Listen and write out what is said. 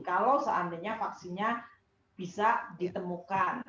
kalau seandainya vaksinnya bisa ditemukan